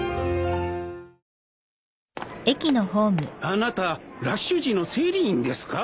あなたラッシュ時の整理員ですか？